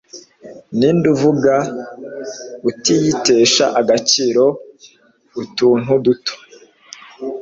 ninde uvuga, atiyitesha agaciro, utuntu duto